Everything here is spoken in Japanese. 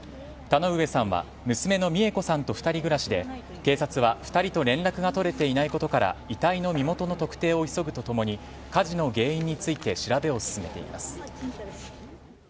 田上さんは娘の美恵子さんと２人暮らしで警察は２人と連絡が取れていないことから遺体の身元の特定を急ぐとともに火事の原因について調べを進めています。